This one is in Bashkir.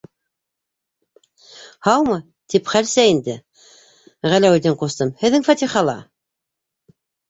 Һаумы, тип, хәлсә инде, Ғәләүетдин ҡустым, һеҙҙең фатихала.